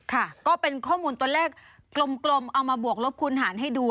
ค่ะก็เป็นข้อมูลตัวเลขกลมเอามาบวกลบคูณหารให้ดู